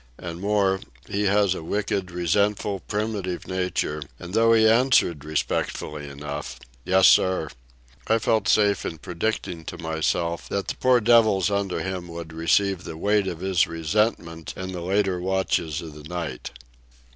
And more—he has a wicked, resentful, primitive nature, and though he answered respectfully enough, "Yes, sir," I felt safe in predicting to myself that the poor devils under him would receive the weight of his resentment in the later watches of the night.